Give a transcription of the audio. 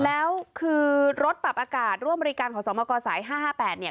แล้วคือรถปรับอากาศร่วมบริการของสมกสาย๕๕๘เนี่ย